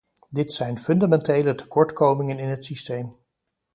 Dit zijn fundamentele tekortkomingen in het systeem.